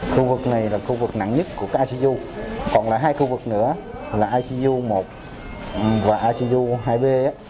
khu vực này là khu vực nặng nhất của icu còn là hai khu vực nữa là icu một và icu hai b